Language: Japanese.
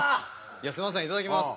すみませんいただきます。